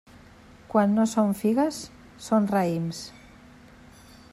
Quan no són figues, són raïms.